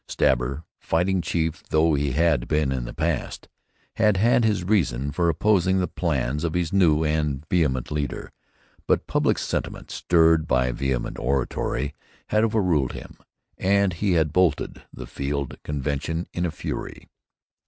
Stabber, fighting chief though he had been in the past, had had his reason for opposing the plans of this new and vehement leader; but public sentiment, stirred by vehement oratory, had overruled him, and he had bolted the field convention in a fury.